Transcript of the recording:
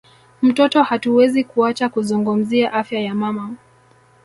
mtoto hatuwezi kuacha kuzungumzia afya ya mama